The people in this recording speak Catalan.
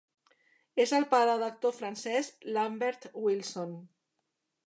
És el pare d'actor francès Lambert Wilson.